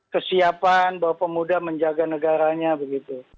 kesiapan bahwa pemuda menjaga negaranya begitu